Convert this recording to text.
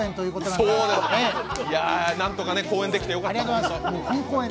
なんとか公演できてよかった。